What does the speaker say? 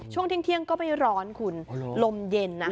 ช่วงเที่ยงก็ไม่ร้อนคุณลมเย็นนะ